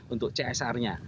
untuk csr nya